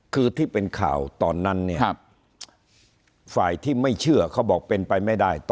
คือที่เป็นข่าวตอนนั้นเนี่ยฝ่ายที่ไม่เชื่อเขาบอกเป็นไปไม่ได้